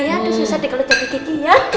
aduh susah deh kalau jadi gigi ya